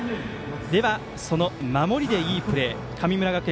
その守りでいいプレー、神村学園